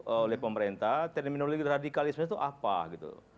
oleh pemerintah terminologi radikalisme itu apa gitu